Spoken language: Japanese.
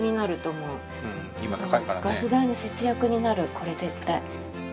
これ絶対。